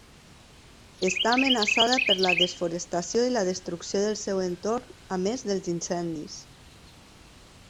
Està amenaçada per la desforestació i la destrucció del seu entorn, a més dels incendis.